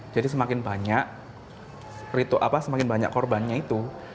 jadi semakin banyak ritual apa semakin banyak korbannya itu